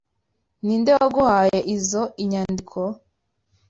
Ninde waguhaye izoi nyandiko?